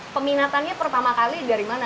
peminatannya pertama kali dari mana